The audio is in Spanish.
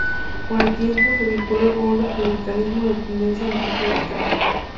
Con el tiempo, se vinculó con un republicanismo de tendencia más radical.